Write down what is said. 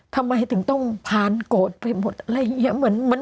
ทำไมถึงต้องผ่านโกรธไปหมดอะไรอย่างนี้